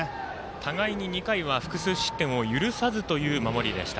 互いに２回は複数失点を許さずという守りでした。